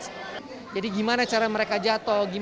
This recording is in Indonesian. saya selalu secaraku untukitt